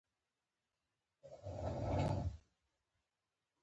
د غوښې خوراک د بدن د ودې لپاره لازمي دی.